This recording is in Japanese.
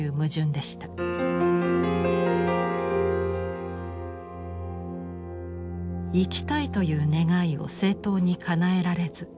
生きたいという願いを正当にかなえられず深まる葛藤。